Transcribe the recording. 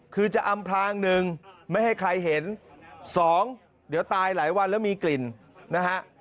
คือจะอำพลางหนึ่งไม่ให้ใครเห็นสองเดี๋ยวตายหลายวันแล้วมีกลิ่นนะฮะ